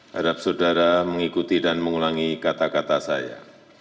harap saudara mengikuti dan mengulangi kata kata saya